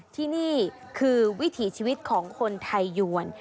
ที่นี่คือวิถีชีวิตของคนไทยยวน